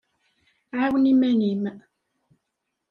ɛawen iman-im.